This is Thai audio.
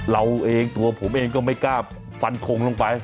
เราเองตัวผมเองก็ไม่กล้าฟันทงลงไป